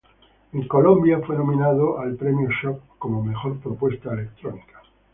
En Colombia fue nominado en el Premio Shock como mejor propuesta electrónica.